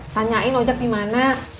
tanyain ojak dimana